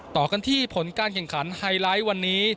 ต่อกันที่ผลการแข่งขันไฮไลท์วันนี้